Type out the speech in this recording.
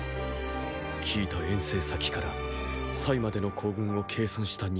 聞いた遠征先からまでの行軍を計算した日数。